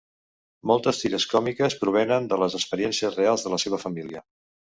Moltes tires còmiques provenen de les experiències reals de la seva família.